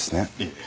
ええ。